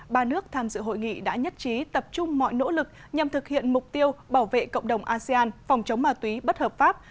ba nước tham dự hội nghị đã nhất trí tập trung mọi nỗ lực nhằm thực hiện mục tiêu bảo vệ cộng đồng asean phòng chống ma túy bất hợp pháp